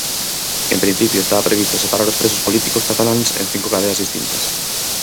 En principio estaba previsto separar os presos políticos cataláns en cinco cadeas distintas.